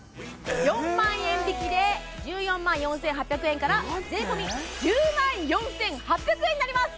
４万円引きで１４万４８００円から税込１０万４８００円になります